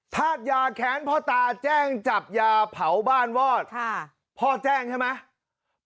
ธาตุยาแค้นพ่อตาแจ้งจับยาเผาบ้านวอดพ่อแจ้งใช่ไหม